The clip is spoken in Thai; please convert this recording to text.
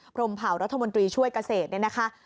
พรมเผารัฐมนตรีช่วยเกษตรเนี่ยนะคะ